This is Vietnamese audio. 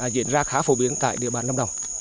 diễn ra khá phổ biến tại địa bàn lâm đồng